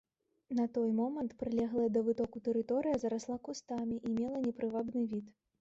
На той момант прылеглая да вытоку тэрыторыя зарасла кустамі і мела непрывабны від.